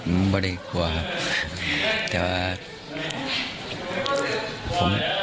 ไม่ได้กลัวครับ